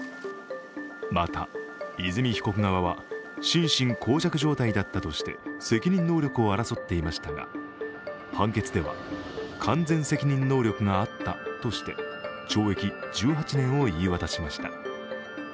また、和美被告側は心神耗弱状態だったとして責任能力を争っていましたが、判決では完全責任能力があったとして懲役１８年を言い渡しました。